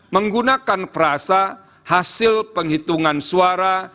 menggunakan frasa hasil penghitungan suara